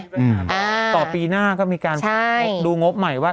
มีปัญหาถูกต่อปีหน้าก็มีการดูงบใหม่ว่า